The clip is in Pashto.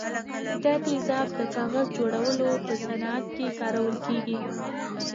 دا تیزاب د کاغذ جوړولو په صنعت کې کارول کیږي.